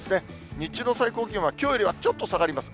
日中の最高気温は、きょうよりはちょっと下がります。